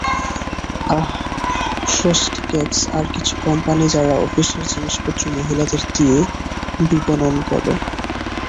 আহহ, frosty cakes আর কিছু company যারা অফিসের জিনিসপত্র মহিলাদের দিয়ে বিপনন করে।